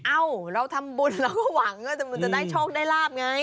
เอ้าเราทำบุญเราก็หวังว่ามันจะได้โชคได้ลาบไง